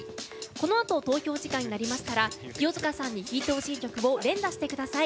このあと投票時間になりましたら清塚さんに弾いてほしい曲を連打してください。